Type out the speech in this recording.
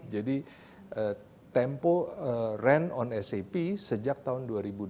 jadi tempo ran on sap sejak tahun dua ribu dua